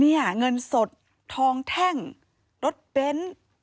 เนี่ยเงินสดทองแท่งรถเบ้น